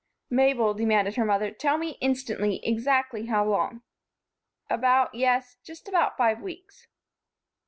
"Mabel," demanded her mother, "tell me, instantly, exactly how long?" "About yes, just about five weeks."